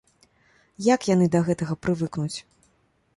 Як яны да гэтага прывыкнуць?